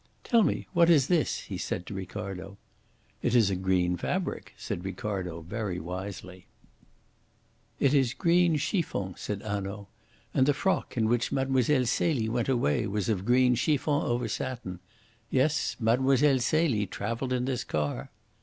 "Tell me, what is this?" he said to Ricardo. "It is a green fabric," said Ricardo very wisely. "It is green chiffon," said Hanaud. "And the frock in which Mlle. Celie went away was of green chiffon over satin. Yes, Mlle. Celie travelled in this car."